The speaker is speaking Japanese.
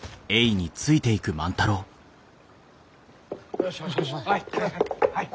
よしよしよしはい。